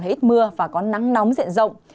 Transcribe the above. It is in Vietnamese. hơi ít mưa và có nắng nóng diện rộng